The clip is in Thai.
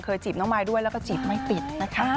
จีบน้องมายด้วยแล้วก็จีบไม่ติดนะคะ